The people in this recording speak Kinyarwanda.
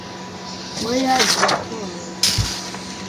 Weya Viatora